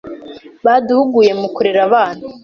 baduhuguye mukurera abana